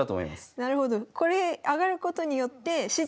なるほど。